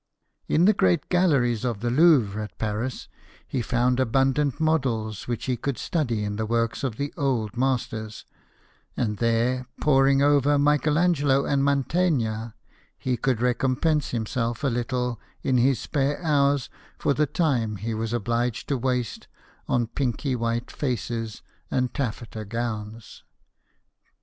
In the great JEAN FRANQOIS MILLET, PAINTER. 125 galleries of the Louvre at Paris he found abundant models which he could study in the works of the old masters ; and there, poring over Michael Angelo and Mantegna, he could recompense himself a little in his spare hours for the time he was obliged to waste on pinky white faces and taffeta gowns.